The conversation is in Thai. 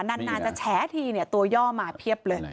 นานจะแฉทีเนี่ยตัวย่อมาเพียบเลย